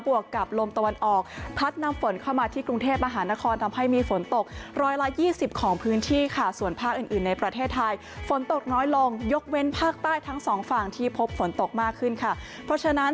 วกกับลมตะวันออกพัดนำฝนเข้ามาที่กรุงเทพมหานครทำให้มีฝนตกร้อยละยี่สิบของพื้นที่ค่ะส่วนภาคอื่นอื่นในประเทศไทยฝนตกน้อยลงยกเว้นภาคใต้ทั้งสองฝั่งที่พบฝนตกมากขึ้นค่ะเพราะฉะนั้น